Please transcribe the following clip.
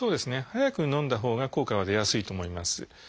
早くのんだほうが効果は出やすいと思います。